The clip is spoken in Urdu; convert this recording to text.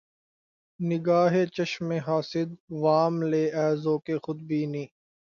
نگاۂ چشم حاسد وام لے اے ذوق خود بینی